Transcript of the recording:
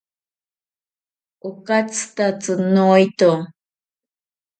Okatyitatsi noito.